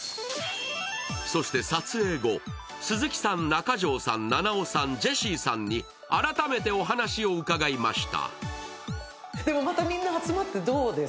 そして撮影後、鈴木さん、中条さん、ジェシーさん、菜々緒さんに改めてお話を伺いました。